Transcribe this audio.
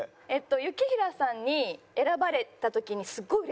雪平さんに選ばれた時に。